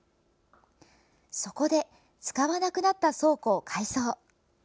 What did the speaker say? そこで使わなくなった倉庫を改装。